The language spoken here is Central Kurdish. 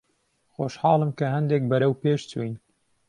خۆشحاڵم کە هەندێک بەرەو پێش چووین.